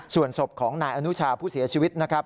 ส่วนศพของนายอนุชาผู้เสียชีวิตนะครับ